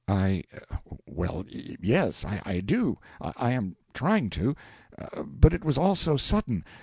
'I well, yes, I do I am trying to. But it was all so sudden.